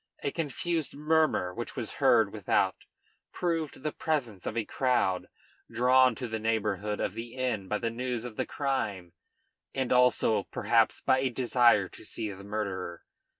A confused murmur which was heard without proved the presence of a crowd, drawn to the neighborhood of the inn by the news of the crime, and also perhaps by a desire to see the murderer.